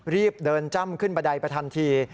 รีบเดินจ้ำขึ้นบันไดไปทันที